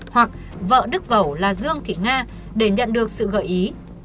hoặc vợ đức vẩu là dương thị nga để nhận được sự gợi ý